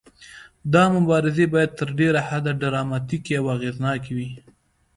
دا مبارزې باید تر ډیره حده ډراماتیکې او اغیزناکې وي.